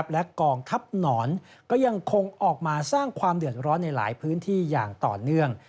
และกองทัพหนอนก็ยังคงออกมาสร้างความเดือดร้อนในหลายพื้นที่อย่างต่อเนื่อง